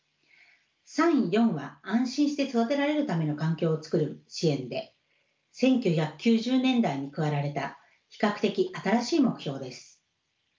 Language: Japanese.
３４は安心して育てられるための環境を作る支援で１９９０年代に加えられた比較的新しい目標です。